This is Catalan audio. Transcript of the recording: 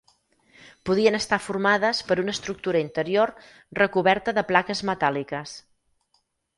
Podien estar formades per una estructura interior recoberta de plaques metàl·liques.